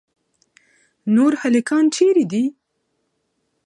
نور هلکان چیرې دي؟